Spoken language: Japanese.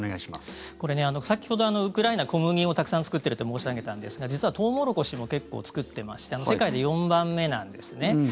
これ、先ほどウクライナは小麦をたくさん作ってるって申し上げたんですが実はトウモロコシも結構作っていまして世界で４番目なんですね。